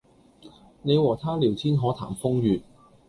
你和他聊天可談風月